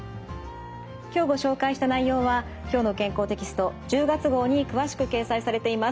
今日ご紹介した内容は「きょうの健康」テキスト１０月号に詳しく掲載されています。